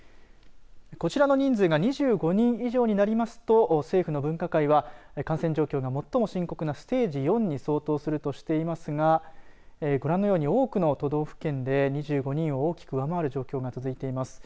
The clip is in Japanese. こちらの人数が２５人以上になりますと政府の分科会は感染状況が最も深刻なステージ４に相当するとしていますがご覧のように多くの都道府県で２５人を大きく上回る状況が続いています。